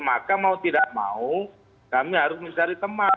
maka mau tidak mau kami harus mencari teman